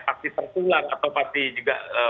pasti tertular atau pasti juga